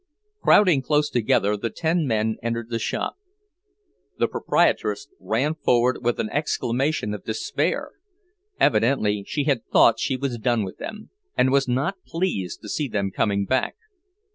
Crowding close together, the ten men entered the shop. The proprietress ran forward with an exclamation of despair. Evidently she had thought she was done with them, and was not pleased to see them coming back.